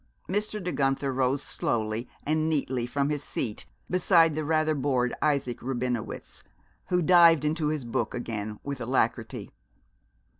Mr. De Guenther rose slowly and neatly from his seat beside the rather bored Isaac Rabinowitz, who dived into his book again with alacrity.